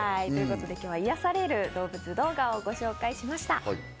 今日は癒やされる動物動画をご紹介しました。